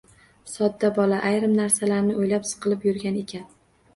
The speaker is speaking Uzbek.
Sodda bola ayrim narsalarni o‘ylab, siqilib yurgan ekan.